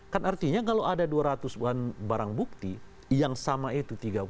kan artinya kalau ada dua ratus an barang bukti yang sama itu tiga puluh